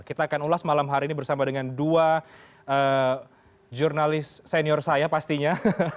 kita akan ulas malam hari ini bersama dengan dua jurnalis senior saya pastinya